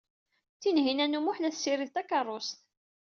Tinhinan u Muḥ la tessirid takeṛṛust.